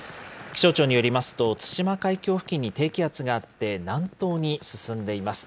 気象庁によりますと、対馬海峡付近に低気圧があって、南東に進んでいます。